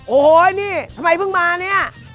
โอ้โหนี่ทำไมเพิ่งมาเนี่ย